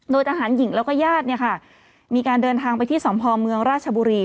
โดยทหารหญิงและก็ญาติมีการเดินทางไปที่สมภอมเมืองราชบุรี